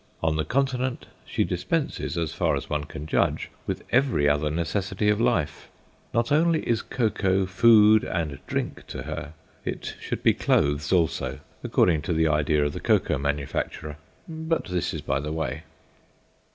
On the Continent she dispenses, so far as one can judge, with every other necessity of life. Not only is cocoa food and drink to her, it should be clothes also, according to the idea of the cocoa manufacturer. But this by the way.